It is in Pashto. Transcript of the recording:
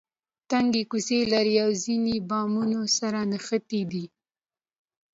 تنګې کوڅې لري او ځینې بامونه سره نښتي دي.